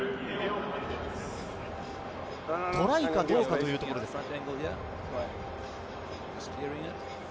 トライかどうかということですか？